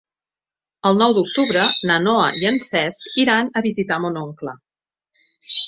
El nou d'octubre na Noa i en Cesc iran a visitar mon oncle.